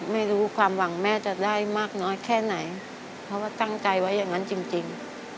ไม่รู้ความหวังแม่จะได้มากน้อยแค่ไหนเพราะว่าตั้งใจไว้อย่างนั้นจริง